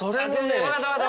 俺分かった。